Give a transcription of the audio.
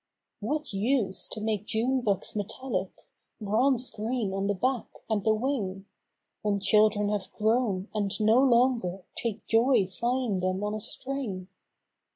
What use to make Junebugs metallic, bronze green on the back and the wing. When children have grown and no longer take joy flying them on a string?